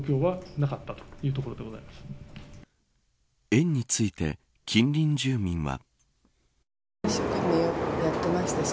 園について近隣住民は。